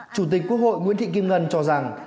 chủ tịch quốc hội nguyễn thị kim ngân cho rằng